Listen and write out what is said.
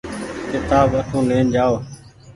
ڪيتآب اٺو لين جآئو۔